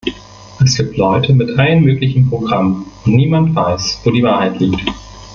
Es gibt Leute mit allen möglichen Programmen, und niemand weiß, wo die Wahrheit liegt.